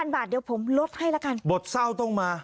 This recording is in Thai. บาทเดี๋ยวผมลดให้ละกันบทเศร้าต้องมา